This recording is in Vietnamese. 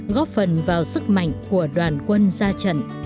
góp phần vào sức mạnh của đoàn quân ra trận